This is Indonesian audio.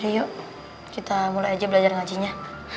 yuk kita mulai aja belajar ngajinya